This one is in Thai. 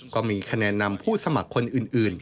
ก็มีคะแนนนำผู้สมัครคนอื่น